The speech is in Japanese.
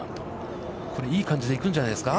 これいい感じで行くんじゃないですか。